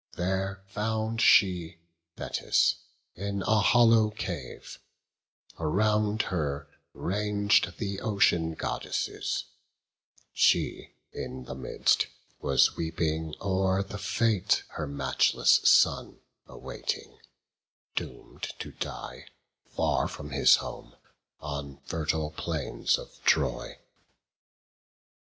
There found she Thetis in a hollow cave, Around her rang'd the Ocean Goddesses: She, in the midst, was weeping o'er the fate Her matchless son awaiting, doom'd to die Far from his home, on fertile plains of Troy.